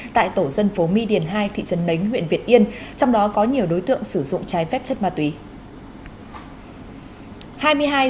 tại tổ dân phố my điền hai thị trấn nánh huyện việt yên trong đó có nhiều đối tượng sử dụng trái phép chất ma túy